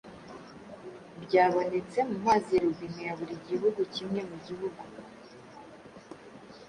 byabonetse mu mazi ya robine ya buri gihugu kimwe mu gihugu.